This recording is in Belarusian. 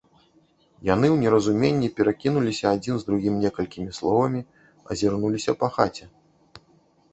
Яны ў неразуменні перакінуліся адзін з другім некалькімі словамі, азірнуліся па хаце.